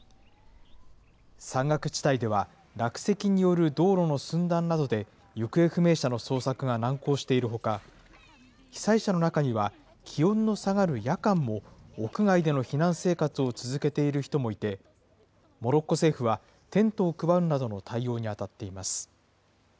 山岳地帯では落石による道路の寸断などで、行方不明者の捜索が難航しているほか、被災者の中には、気温の下がる夜間も屋外での避難生活を続けている人もいて、モロッコ政府はテントを配るなどの対応に当たっています。